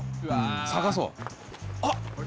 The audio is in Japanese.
探そう。